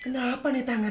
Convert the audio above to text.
kenapa nih tangan